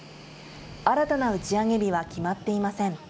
新たな打ち上げ日は決まっていません。